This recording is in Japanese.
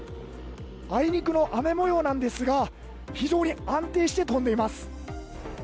あいにくの雨模様ですが非常に安定して飛んでいます。